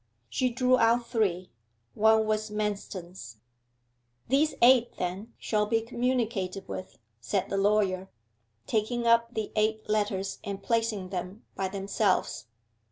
She drew out three. One was Manston's. 'These eight, then, shall be communicated with,' said the lawyer, taking up the eight letters and placing them by themselves.